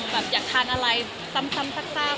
ถ้าอยากทานอะไรโดยซึ่งที่จากสัก